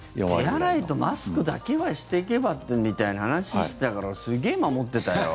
手洗いとマスクだけはしていけばみたいな話をしてたからすげえ守ってたよ。